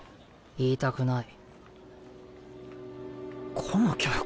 言いたくない。